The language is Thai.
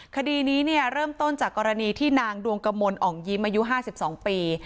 คดีนี้เนี่ยเริ่มต้นจากกรณีที่นางดวงกระมนอ่องยิ้มมายุห้าสิบสองปี